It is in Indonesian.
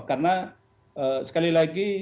karena sekali lagi